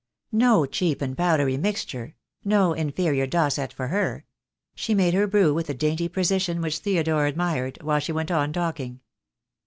No cheap and powdery mixture; no "inferior Dosset" for her. She made her brew with a dainty precision which Theodore admired, while she went on talking.